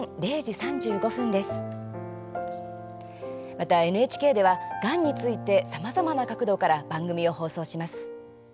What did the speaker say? また、ＮＨＫではがんについてさまざまな角度から番組を放送します。